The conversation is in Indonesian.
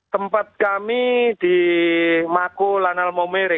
tempat kami di mako lanal momere